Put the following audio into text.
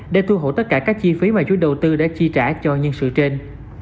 để thu hổ tất cả các chi phí mà chú đầu tư đã chi trả cho nhân sự trên